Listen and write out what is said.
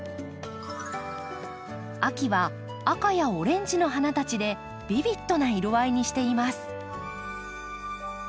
秋は赤やオレンジの花たちでビビッドな色合いにしています。